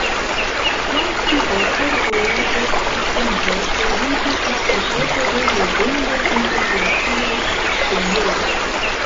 Krom tio, per vojaĝo tra tempo troviĝis la Epoko de Legendoj inter glaciaj periodoj.